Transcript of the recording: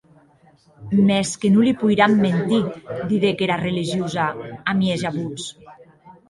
Mès que non li poiram mentir, didec era religiosa, a mieja votz.